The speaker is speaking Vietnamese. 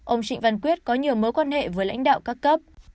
ông trịnh văn quyết có nhiều mối quan hệ với lãnh đạo các cấp